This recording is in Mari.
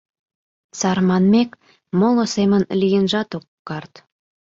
Сар манмек, моло семын лийынжат ок карт...